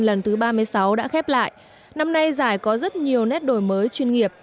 lần thứ ba mươi sáu đã khép lại năm nay giải có rất nhiều nét đổi mới chuyên nghiệp